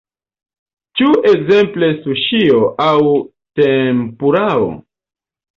Ĉu ekzemple suŝio aŭ tempurao?